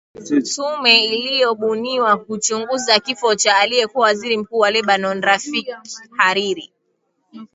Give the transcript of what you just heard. tume iliyobuniwa kuchunguza kifo cha aliyekuwa waziri mkuu wa lebanon rafik hariri